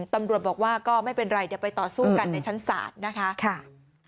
ตำรวจบอกว่าก็ไม่เป็นไรเดี๋ยวไปต่อสู้กันในชั้นศาลนะคะ